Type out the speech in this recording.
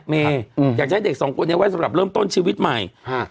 อืมอยากจะให้เด็กสองคนนี้ไว้สำหรับเริ่มต้นชีวิตใหม่ฮะ